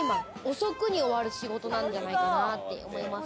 遅くに終わる仕事なんじゃないかなって思います。